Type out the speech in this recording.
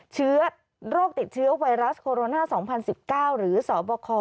เชื้อโรคติดเชื้อไวรัสโคโรนา๒๐๑๙หรือสบค